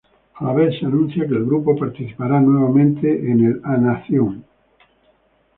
A la vez, se anuncia que el grupo, participará nuevamente en el a-nation.